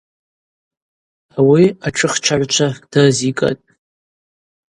Ауи атшыхчагӏвчва дырзигатӏ.